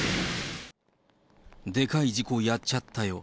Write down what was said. でかい事故やっちゃったよ。